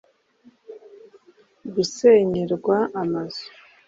gusenyerwa amazu